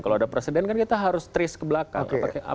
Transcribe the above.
kalau ada presiden kan kita harus trace ke belakang